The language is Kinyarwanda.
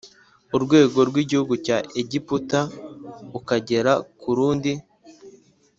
urwego rw igihugu cya Egiputa ukagera ku rundi